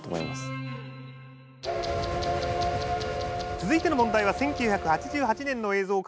続いての問題は１９８８年の映像から。